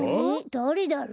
だれだろう？